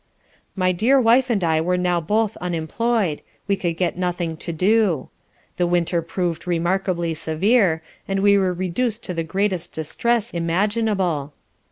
My dear wife and I were now both unemployed, we could get nothing to do. The winter prov'd remarkably severe, and we were reduc'd to the greatest distress imaginable.